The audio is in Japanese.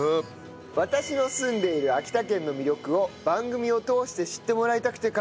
私の住んでいる秋田県の魅力を番組を通して知ってもらいたくて考えました。